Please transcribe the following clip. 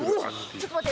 ちょっと待って。